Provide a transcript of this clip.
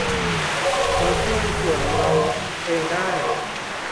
เราช่วยส่วนเราเองได้